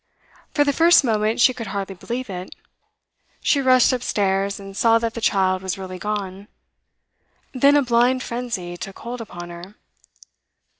For the first moment she could hardly believe it. She rushed upstairs, and saw that the child was really gone; then a blind frenzy took hold upon her.